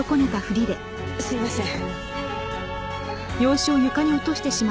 すいません。